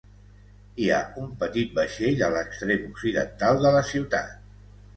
Hi ha un petit vaixell a l'extrem occidental de la ciutat.